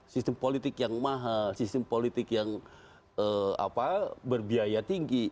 sistem politik yang mahal sistem politik yang berbiaya tinggi